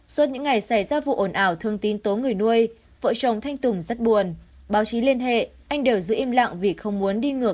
suốt những ngày xảy ra vụ ồn ào thương tín tố người nuôi vợ chồng thanh tùng rất buồn